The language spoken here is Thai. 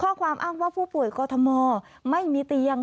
อ้างว่าผู้ป่วยกอทมไม่มีเตียง